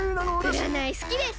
うらないすきです。